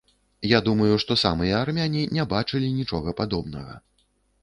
Я думаю, што самыя армяне не бачылі нічога падобнага.